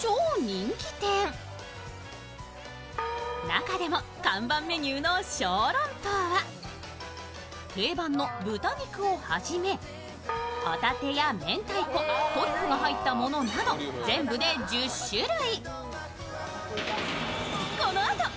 中でも、看板メニューの小籠包は定番の豚肉をはじめほたてや明太子、トリュフが入ったものなど全部で１０種類。